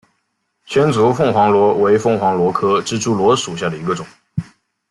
千足凤凰螺为凤凰螺科蜘蛛螺属下的一个种。